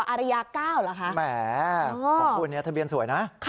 อารย๙หรอคะโอ้โฮคุณเนี่ยทะเบียนสวยนะ